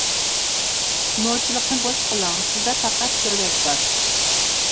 نوچىلىقنى بوش قىلىڭ، سىزدە پەقەت سۆلەت بار.